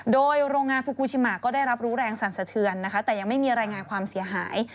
โดยโรงงานฟูกูชิมะก็ได้รับรู้แรงสั่นสะเทือนนะคะแต่ยังไม่มีรายงานความเสียหาย